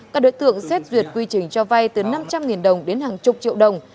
các đối tượng xét duyệt quy trình cho vay từ năm trăm linh đồng đến hàng chục triệu đồng